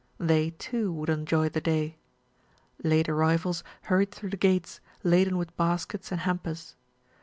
They, too, would enjoy the day. Late arrivals hurried through the gates, laden with baskets and hampers.